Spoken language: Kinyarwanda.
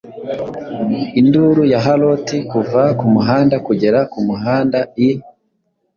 Induru ya Haloti kuva kumuhanda kugera kumuhanda I